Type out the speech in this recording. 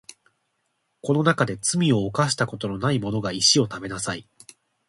この中で罪を犯したことのないものが石を食べなさい